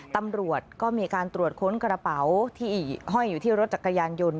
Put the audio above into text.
ตำรวจก็มีการตรวจค้นกระเป๋าที่ห้อยอยู่ที่รถจักรยานยนต์